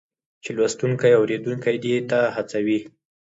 چې لوستونکی او اورېدونکی دې ته هڅوي